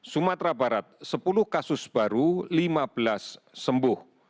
sumatera barat sepuluh kasus baru lima belas sembuh